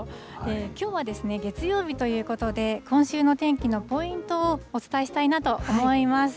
きょうは月曜日ということで、今週の天気のポイントをお伝えしたいなと思います。